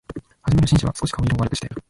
はじめの紳士は、すこし顔色を悪くして、